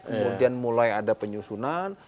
kemudian mulai ada penyusunan